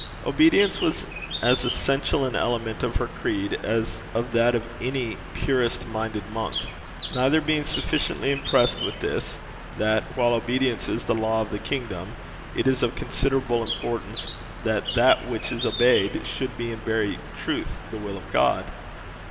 Obedience was as essential an element of her creed as of that of any purest minded monk; neither being sufficiently impressed with this: that, while obedience is the law of the kingdom, it is of considerable importance that that which is obeyed should be in very truth the will of God.